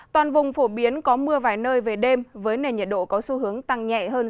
toàn vùng phổ biến có mưa vài nơi về đêm với nền nhiệt độ có xu hướng tăng nhẹ hơn